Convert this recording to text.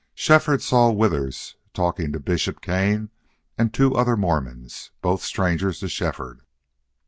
Shefford saw Withers talking to Bishop Kane and two other Mormons, both strangers to Shefford.